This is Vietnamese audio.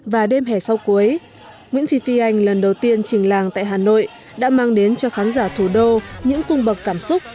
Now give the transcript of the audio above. và đêm hẻ sau cuối nguyễn phi phi anh lần đầu tiên trình làng tại hà nội đã mang đến cho khán giả thủ đô những cung bậc cảm xúc